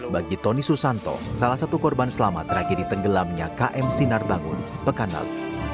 bagi tony susanto salah satu korban selamat tragedi tenggelamnya km sinar bangun pekan lalu